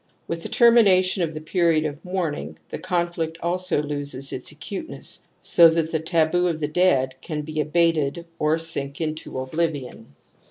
With the termination of the period of mourning, the conflict also loses its acuteness so that the taboo of the dead can be abated or sink into oblivion.